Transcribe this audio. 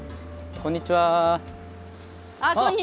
こんにちは。